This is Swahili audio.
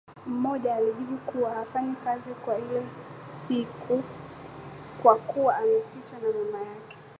Mmoja alijibu kuwa hafanyi kazi kwa ile siku kwa kuwa amefiwa na mama yake